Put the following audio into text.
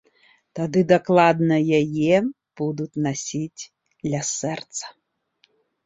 Тады дакладна яе будуць насіць ля сэрца!